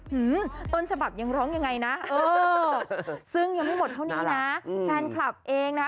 ต้นฉบับยังร้องยังไงนะเออซึ่งยังไม่หมดเท่านี้นะแฟนคลับเองนะ